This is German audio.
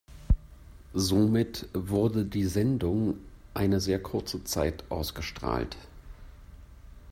Somit wurde die Sendung eine sehr kurze Zeit ausgestrahlt.